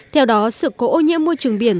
theo đó sự cố ô nhiễm môi trường biển